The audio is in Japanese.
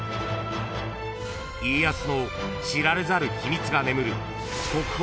［家康の知られざる秘密が眠る国宝］